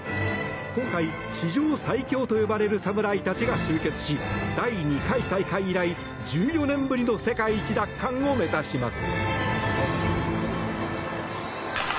今回、史上最強と呼ばれる侍たちが集結し第２回大会以来１４年ぶりの世界一奪還を目指します。